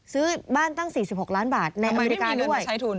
ซื้อบ้านตั้ง๔๖ล้านบาทในอเมริกาด้วย